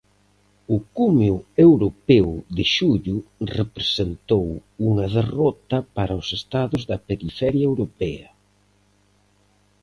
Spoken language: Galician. O cumio europeo de xullo representou unha derrota para os Estados da periferia europea.